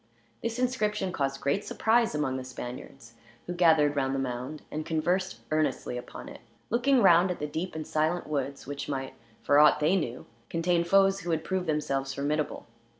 This inscription caused great surprise among the Spaniards, who gathered round the mound and conversed earnestly upon it; looking round at the deep and silent woods, which might, for ought they knew, contain foes who had proved themselves formidable.